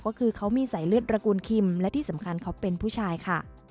ก็คือเขามีสายเลือดตระกูลคิมและที่สำคัญเขาเป็นผู้ชายค่ะ